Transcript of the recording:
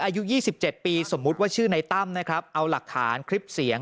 อายุ๒๗ปีสมมุติว่าชื่อในตั้มนะครับเอาหลักฐานคลิปเสียง